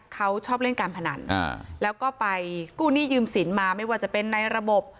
เขาชอบเล่นการพนันแล้วก็ไปกู้หนี้ยืมสินมาไม่ว่าจะเป็นในระบบ